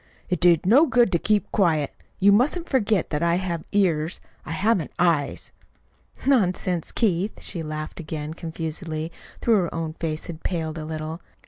"It did no good to keep quiet. You mustn't forget that I have ears if I haven't eyes." "Nonsense, Keith!" She laughed again confusedly, though her own face had paled a little.